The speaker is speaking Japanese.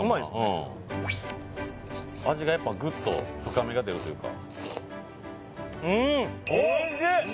うん味がやっぱグッと深みが出るというかうん！